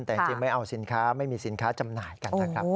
แต่จริงไม่เอาสินค้าไม่มีสินค้าจำหน่ายกันนะครับ